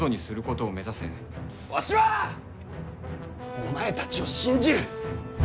お前たちを信じる！